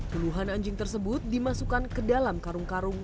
puluhan anjing tersebut dimasukkan ke dalam karung karung